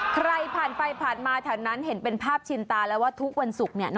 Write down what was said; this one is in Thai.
ใครผ่านไปผ่านมาแถวนั้นเห็นเป็นภาพชินตาแล้วว่าทุกวันศุกร์